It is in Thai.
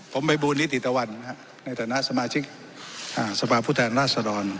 ผมพระบูรณ์นิติตะวันในฐานะสมาชิกสภาพุทธแห่งราชศรรณ์